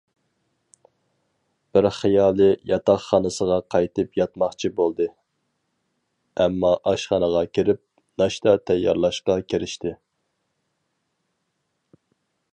بىر خىيالى ياتاقخانىسىغا قايتىپ ياتماقچى بولدى، ئەمما ئاشخانىغا كىرىپ، ناشتا تەييارلاشقا كىرىشتى.